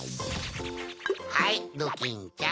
はいドキンちゃん。